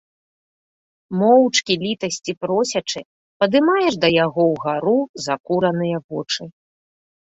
Моўчкі літасці просячы, падымаеш да яго ўгару закураныя вочы.